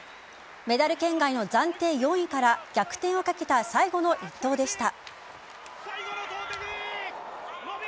メダル圏外の暫定４位から逆転をかけた最後の一投でした。